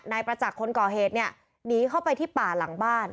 นายประจักษ์คนก่อเหตุเนี่ยหนีเข้าไปที่ป่าหลังบ้าน